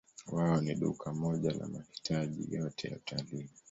Wao ni duka moja la mahitaji yote ya utalii.